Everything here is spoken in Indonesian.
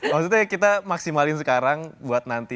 maksudnya kita maksimalin sekarang buat nanti